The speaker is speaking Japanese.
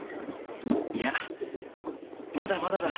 いやまだまだだ。